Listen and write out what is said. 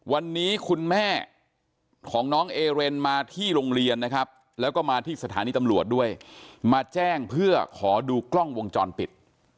วันนี้คุณแม่ของน้องเอเรนมาที่โรงเรียนนะครับแล้วก็มาที่สถานีตำรวจด้วยมาแจ้งเพื่อขอดูกล้องวงจรปิด